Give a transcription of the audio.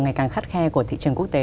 ngày càng khắt khe của thị trường quốc tế